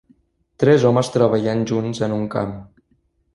Tres homes treballant junts en un camp.